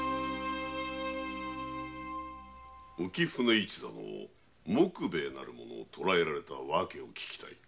浮舟一座の杢兵衛なる者を捕えられた訳を聞きたい。